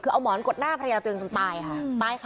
คือเอาหมอนกดหน้าภรรยาตัวเองจนตายค่ะ